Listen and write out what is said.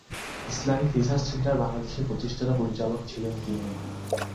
Islamic research centre বাংলাদেশের প্রতিষ্ঠাতা পরিচালক ছিলেন তিনি।